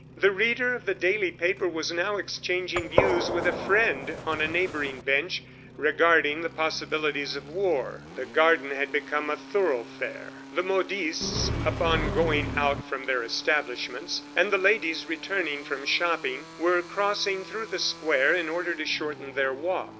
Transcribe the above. The reader of the daily paper was now exchanging views with a friend on a neighboring bench regarding the possibilities of war. The garden had become a thoroughfare. The modistes upon going out from their establishments, and the ladies returning from shopping, were crossing through the square in order to shorten their walk.